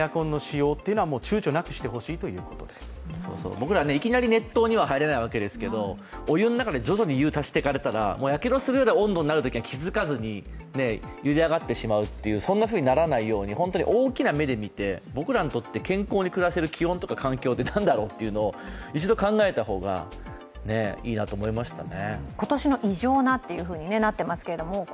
僕ら、いきなり熱湯には入れないわけですけど、お湯の中で徐々に湯を足していかれたらやけどするような温度になるときには気付かずに、ゆで上がってしまう、そんなふうにならないように、本当に大きな目で見て、僕らにとって健康に暮らせる気温とか環境って何だろうというのを一度考えた方がいいなと思いましたね。